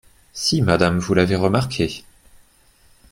Si, madame, vous l’avez remarqué !